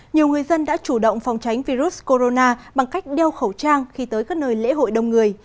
nhiều người dân đã chủ động phòng tránh virus corona bằng cách đeo khẩu trang khi tới các nơi lễ hội đông người